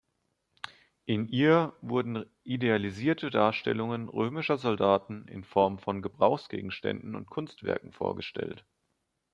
In ihr wurden idealisierte Darstellungen römischer Soldaten in Form von Gebrauchsgegenständen und Kunstwerken vorgestellt.